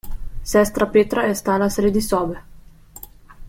Sestra Petra je stala sredi sobe.